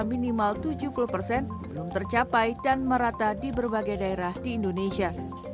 minimal tujuh puluh persen belum tercapai dan merata di berbagai daerah di indonesia